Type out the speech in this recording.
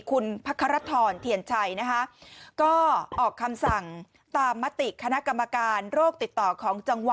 คุณพระคารทรเทียนชัยนะคะก็ออกคำสั่งตามมติคณะกรรมการโรคติดต่อของจังหวัด